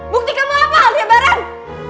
bukti kamu apa halde barat